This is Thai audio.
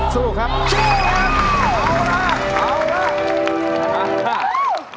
สู้ครับ